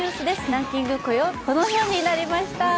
ランキング、このようになりました